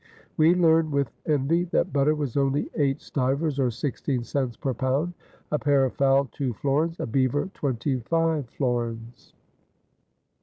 We learn with envy that butter was only eight stivers or sixteen cents per pound, a pair of fowl two florins, a beaver twenty five florins.